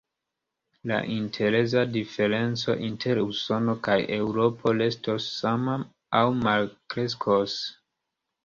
La intereza diferenco inter Usono kaj Eŭropo restos sama aŭ malkreskos.